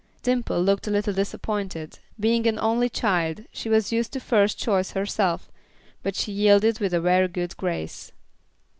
Dimple looked a little disappointed; being an only child she was used to first choice herself, but she yielded with a very good grace.